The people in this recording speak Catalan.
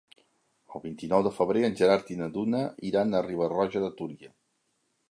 El vint-i-nou de febrer en Gerard i na Duna iran a Riba-roja de Túria.